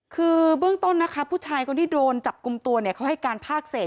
คือเบื้องต้นนะคะผู้ชายคนที่โดนจับกลุ่มตัวเนี่ยเขาให้การภาคเศษ